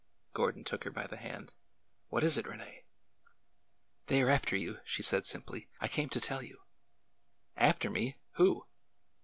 Gordon took her by the hand. What is it, Rene ?"'' They are after you," she said simply. I came to tell you." After me! Who?"